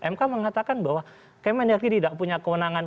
mk mengatakan bahwa kementerian negeri tidak punya kewenangan